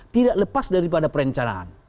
tidak lepas daripada perencanaan